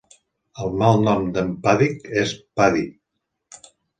El malnom d'en Paddick és Paddy.